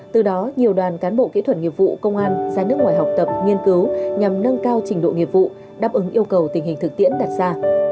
từ đó nhiều đoàn cán bộ kỹ thuật nghiệp vụ công an ra nước ngoài học tập nghiên cứu nhằm nâng cao trình độ nghiệp vụ đáp ứng yêu cầu tình hình thực tiễn đặt ra